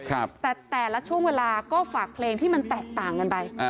แต่แต่ละช่วงเวลาก็ฝากเพลงที่มันแตกต่างกันไปอ่า